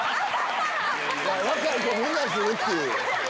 若い子みんなするっていう。